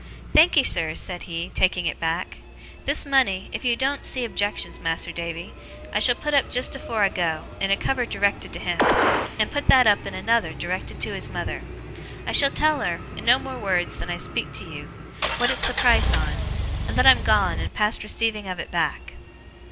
'Thankee, sir,' he said, taking it back. 'This money, if you doen't see objections, Mas'r Davy, I shall put up jest afore I go, in a cover directed to him; and put that up in another, directed to his mother. I shall tell her, in no more wureds than I speak to you, what it's the price on; and that I'm gone, and past receiving of it back.